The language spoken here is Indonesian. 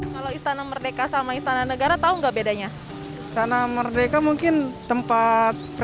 kalau istana merdeka sama istana negara tahu nggak bedanya sana merdeka mungkin tempat